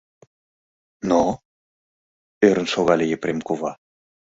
— Но?! — ӧрын шогале Епрем кува.